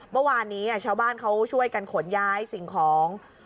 เมื่อวานนี้ชาวบ้านเขาช่วยกันขนย้ายสิ่งของ